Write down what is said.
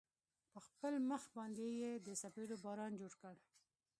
په خپل مخ باندې يې د څپېړو باران جوړ كړ.